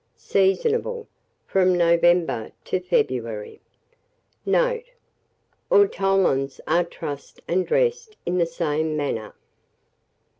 Seasonable from November to February. Note. Ortolans are trussed and dressed in the same manner.